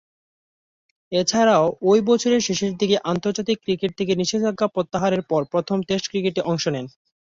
এছাড়াও, ঐ বছরের শেষদিকে আন্তর্জাতিক ক্রিকেট থেকে নিষেধাজ্ঞা প্রত্যাহারের পর প্রথম টেস্ট ক্রিকেটে অংশ নেন।